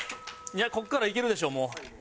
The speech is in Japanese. ここからいけるでしょもう。